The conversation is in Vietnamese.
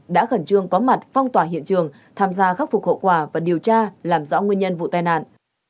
đã khẩn trương có mặt phong tỏa hiện trường tham gia khắc phục hậu quả và điều tra làm rõ nguyên nhân vụ tai nạn